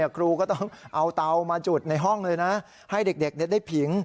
ครูก็ต้องเอาเตามาจุดในห้องเลยนะให้เด็กได้ผิง